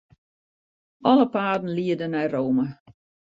Alle paden liede nei Rome.